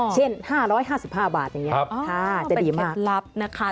เช่น๕๕๕บาทอย่างนี้ค่ะจะดีมากเป็นเก็บลับนะคะ